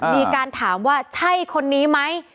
มีการถามว่าใช่คนนี้ไหม